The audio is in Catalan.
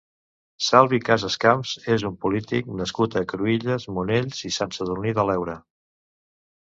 Salvi Casas Camps és un polític nascut a Cruïlles, Monells i Sant Sadurní de l'Heura.